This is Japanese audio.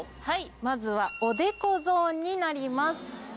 はいまずはおでこゾーンになります。